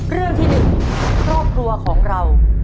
เรื่องที่๑ครอบครัวของเรา